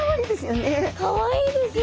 かわいいですよね。